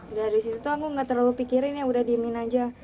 dari situ tuh aku gak terlalu pikirin ya udah diemin aja